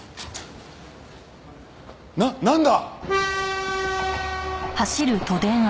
ななんだ！？